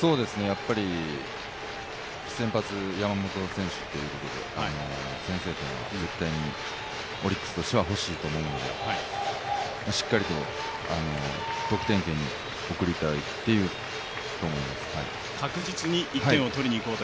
先発、山本選手ということで先制点は絶対にオリックスとしては欲しいと思うのでしっかりと得点圏に送りたいと思います。